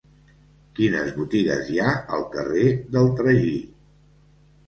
Quines botigues hi ha al carrer del Tragí?